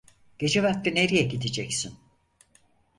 Gece vakti nereye gideceksin?